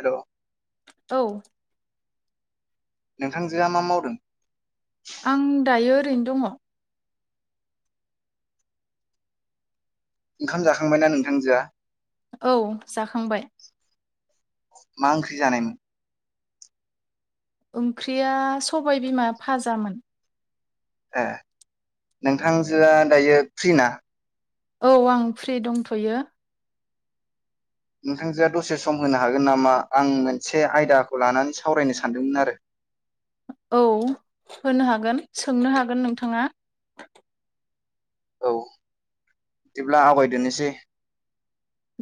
हेल' औ नोंथांजोआ मा मावदों? आं दायो ओरैनो दङ'। ओंखाम जाखांबायना नोंथांजोआ? औ जाखांबाय। मा ओंख्रि जानाय मोन? ओंख्रिया सबायबिमा फाजामोन। ए नोंथांजोआ दायो फ्रि ना? औ आं फ्रि दंथ'यो। नोंथांजोआ दसे सम होनो हागोन नामा आं मोनसे आयदाखौ लानानै सावरायनो सानदोंमोन आरो। औ होनो हागोन सोंनो हागोन नोंथाङा। औ बिदिब्ला आवगायदोनोसै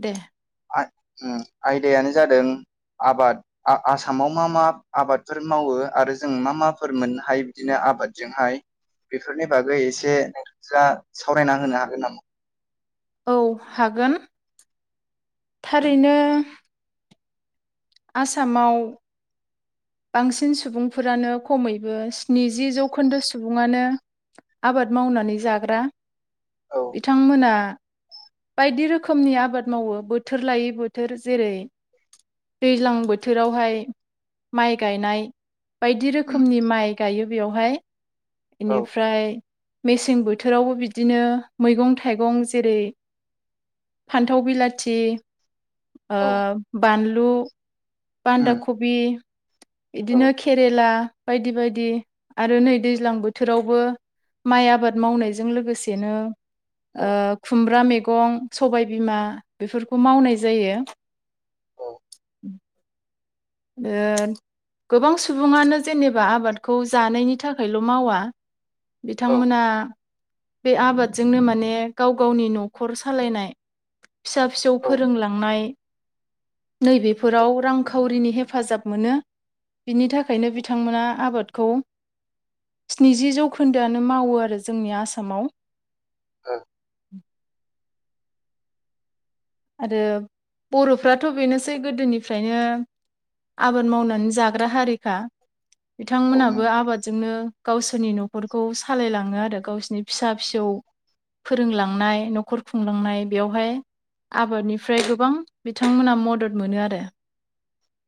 दे आयदायानो जादों आबाद आसामाव मा मा आबादफोर मावो आरो जों मा माफोर मोननो हायो बिदिनो आबादजोंहाय बेफोरनि बागै एसे जा सावरायना होनो हागोन नामा? औ हागोन थारैनो आसामाव बांसिन सुबुंफोरानो खमैबो स्निजि जौखोन्दो सुबुङानो आबाद मावनानै जाग्रा। औ बिथांमोना बायदि रोखोमनि आबाद मावो बोथोर लायै बोथोर जेरै दैज्लां बोथोरावहाय माइ गायनाय बायदि रोखोमनि माइ गायो बेयावहाय। औ इनिफ्राय मेसें बोथोरावबो बिदिनो मैगं थाइगं जेरै फान्थाव बिलाथि ओ औ बानलु लु बान्दा औ खबि बिदिनो औ खेरेला बायदि बायदि आरो नै दैज्लां बोथोरावबो माइ आबाद मावनायजों लोगोसेनो ओ खुमब्रा मेग गं सबायबिमा बेफोरखौ मावनाय जायो। औ ओ गोबां सुबुङानो जेनेबा आबादखौ जानायनि थाखायल' मावा औ बिथांमोना बे आबादजोंनो माने गाव गावनि न'खर सालायनाय फिसा फिसौ औ ओ फोरोंलांनाय नै बेफोराव रांखावरिनि हेफ फाजाब मोनो बिनि थाखायनो बिथांमोना आबादखौ स्निजि जौखोन्दोआनो मावो आरो जोंनि आसामाव। ओं आरो बर'फ्राथ' बेनोसै गोदोनिफ्रायनो आबाद मावनानै जाग्रा हारि। खा औ नों बिथांमोनाबो आबादजोंनो गावसोरनि न'खरखौ सालायलाङो आरो। आरो गावसिनि फिसा फिसौ फोरोंलांनाय न'खर खुंलांनाय बेयावहाय आबादनिफ्राय गोबां बिथांमोना मदद मोनो आरो।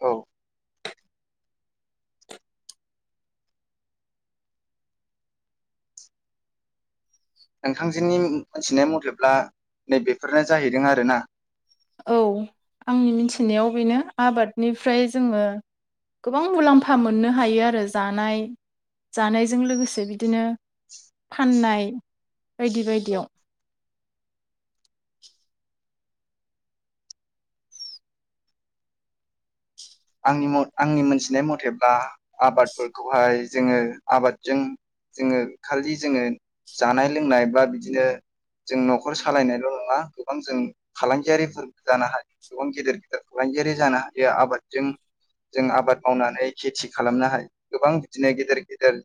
औ नोंथांजोनि मोनथिनाय मथेब्ला नै बेफोरनो जाहैदों आरो ना? औ, आंनि मिथिनायाव बेनो आबादनिफ्राय जोङो गोबां मुलाम्फा मोननो हायो आरो जानाय जानायजों लोगोसे बिदिनो फाननाय बायदि बायदियाव। आंनि म आंनि मोनथिनाय मथेब्ला आबादफोरखौहाय जोङो आबादजों जोङो खालि जोङो जानाय लोंनाय बा बिदिनो जों न'खर सालायनायल' नङा गोबां जों फालांगियारिफोर जानो हायो गोबां गेदेर गेदेर फालांगियारि जानो हायो आबाद जों जों आबाद मावनानै खेथि खालामनो हायो गोबां बिदिनो गेदेर गेदेर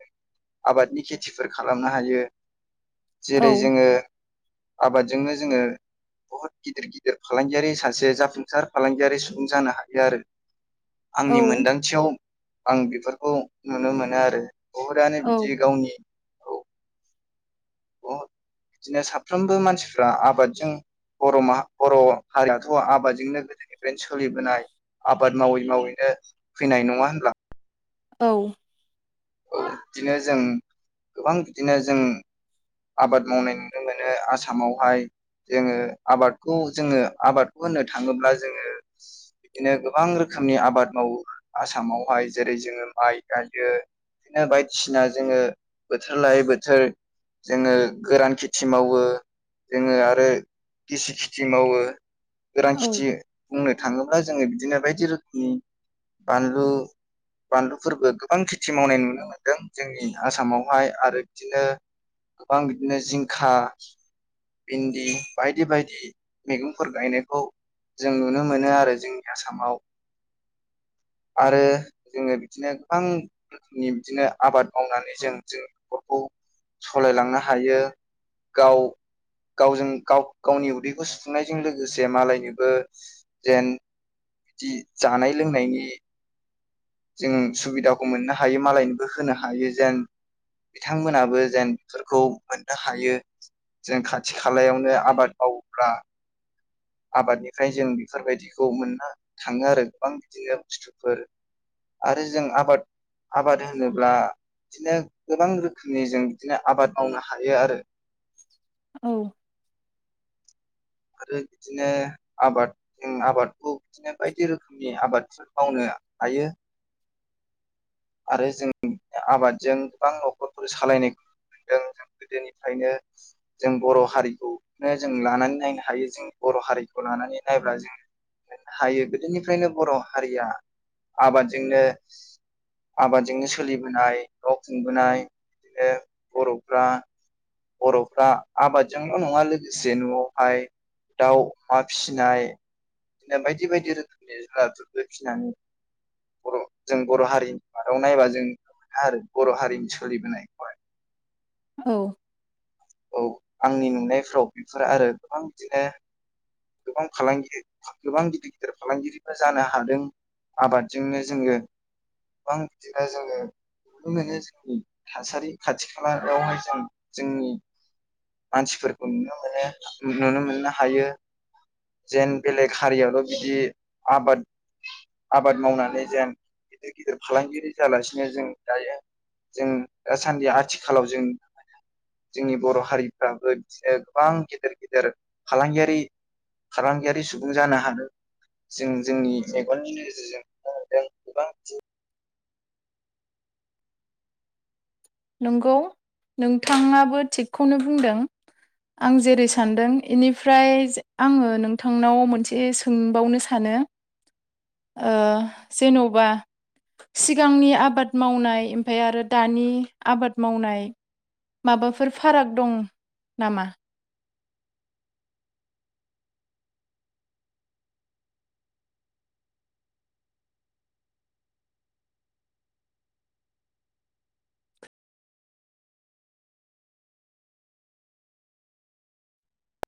आबादनि खेथिफोर खालामनो हायो। औ जेरै जोङो आबादजोंनो जोङो बहुद गिदिर गिदिर फालांगियारि सासे जाफुंसार फालांगियारि सुबुं जानो हायो आरो। औ आंनि मोनदांथियाव आं बेफोरखौ नुनो मोनो आरो। बहुदानो औ बिदि गावनि औ बिदिनो साफ्रोमबो मानसिफ्रा आबादजों बर' माहा बर' हारियाथ' आबादजोंनो गोदोनिफ्रायनो सोलिबोनाय आबाद मावै मावैनो फैनाय नङा होनब्ला? औ औ बिदिनो जों गोबां बिदिनो जों आबाद मावनाय नुनो मोनो आसामावहाय जोङो आबादखौ जोङो आबादखौ होननो थाङोब्ला जोङो बिदिनो गोबां रोखोमनि आबाद मावो आसामावहाय जेरै जोङो माइ गायो बिदिनो बायदिसिना जोङो बोथोर लायै बोथोर जोङो गोरान खेथि मावो जोङो आरो गिसि खेथि मावो गोरान औ खेथि बुंनो थाङो ब्ला जोङो बिदिनो बायदि रोखोमनि बानलु बानलुफोरबो गोबां खिथ खेथि मावनाय नुनो मोन्दों जोंनि आसामावहाय आरो बिदिनो गोबां बिदिनो जिंखा भिन्दि बायदि बायदि मैगंफोर गायनायखौ जों नुनो मोनो आरो जोंनि आसामाव आरो जोङो बिदिनो गोबां नि बिदिनो आबाद मावनानै जों जों न'खरखौ सलायलांनो हायो गाव गावजों गाव गावनि उदैखौ सुफुंनायजों लोगोसे मालायनोबो जेन बिदि जानाय लोंनायनि जों सुबिदाखौ मोननो हायो मालायनिबो होनो हायो जेन बिथांमोनाबो जेन बेफोरखौ मोननो हायो जेन खाथि खालायावनो आबाद मावोब्ला आबादनिफ्राय जों बेफोरबायदिखौ मोननो थाङो आरो गोबां बिदिनो बुस्थुफोर आरो जों आबाद आबाद होनोब्ला बिदिनो गोबां रोखोमनि जों बिदिनो आबाद मावनो हायो आरो। औ आरो बिदिनो आबाद जों आबादखौ बिदिनो बायदि रोखोमनि आबादफोर मावनो हायो। आरो जों आबादजों गोबां न'खरफोर सालायनायखौ [unintelligible] दोनिफ्रायनो जों बर' हारिखौनो जों लानानै नायनो ह थायो जों बर' हारिखौ लानानै नायब्ला जों मोननो हायो गोदोनिफ्रायनो बर' हारिया आबादजोंनो आबादजोंनो सोलिबोनाय न' खुंबोनाय बिदिनो बर'फ्रा बर'फ्रा आबादजोंल' नङा लोगोसे न'आवहाय दाउ अमा फिसिनाय बिदिनो बायदि बायदि रोखोमनि जुनार जफोर फिसिनानै बर' जों बर' हारिनि मादाव नायबा जों नुनो मोनो आरो बर' हारिनि सोलिबोनायखौहाय। औ औ आंनि नुनायफ्राव बेफोर आरो गोबां बिदिनो गोबां फालिगि गोबां गिदिर गिदिर फालांगिरिबो जानो हादों आबादजोंनो जोङो गोबां बिदिनो जोङो नुनो मोनो जोंनि थासारि खाथि खालायावहाय जों जोंनि मानसिफोरखौ नुनो मोनो नुनो मोननो हायो। जेन बेलेग हारियाल' बिदि आबाद आबाद मावनानै जेन गिदिर गिदिर फालांगियारि जालासिनो जों दायो जों दासान्दि आथिखालाव जों जोंनि बर' हारिफ्राबो बिदिनो गोबां गेदेर गेदेर फालांगियारि फालांगियारि सुबुं जानो हादों जों जोंनि मेगननि नोजोरजों नुनो मोनदों गोबां दि नंगौ नोंथाङाबो थिगखौनो बुंदों आं जेरै सानदों इनिफ्राय आङो नोंथांनाव मोनसे सोंबावनो सानो ओ जेनौबा सिगांनि आबाद मावनाय ओमफाय आरो दानि आबाद मावनाय माबाफोर फाराग दं नामा?